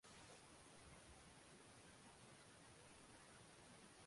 相关社会团体包括会员团体或社会派系。